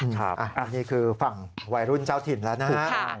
อันนี้คือฝั่งวัยรุ่นเจ้าถิ่นแล้วนะฮะ